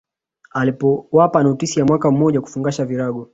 Alipowapa notisi ya mwaka mmoja kufungasha virago